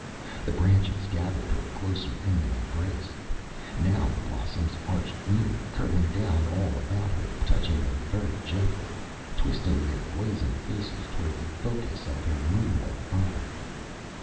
The branches gathered her closer in their embrace. Now the blossoms arched near, curving down all about her, touching her very gently, twisting their blazing faces toward the focus of her moon white body.